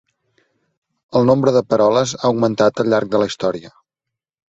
El nombre de peroles ha augmentat al llarg de la història.